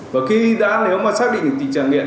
và khi đã nếu mà xác định tỷ trang nghiện